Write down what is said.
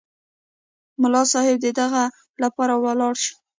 ملا صیب د دعا لپاره ولاړ شو.